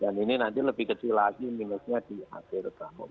dan ini nanti lebih kecil lagi minusnya di akhir tahun